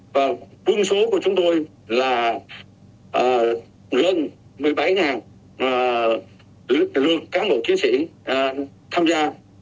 và quân số của chúng tôi là gần một mươi bảy lượng cám bộ chiến sĩ tham gia